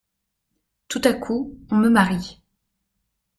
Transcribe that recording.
Tout à coup on me marie…